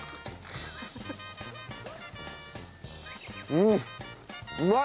うん。